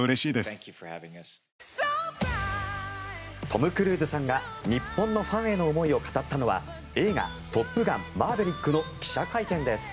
トム・クルーズさんが日本のファンへの思いを語ったのは映画「トップガンマーヴェリック」の記者会見です。